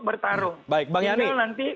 bertarung ini nanti